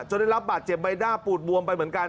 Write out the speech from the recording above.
ได้รับบาดเจ็บใบหน้าปูดบวมไปเหมือนกัน